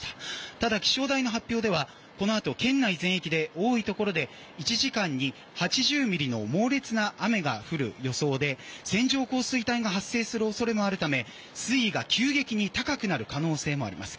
ただ気象台の発表ではこのあと県内全域で多いところで１時間に８０ミリの猛烈な雨が降る予想で線状降水帯が発生する恐れもあるため水位が急激に高くなる可能性もあります。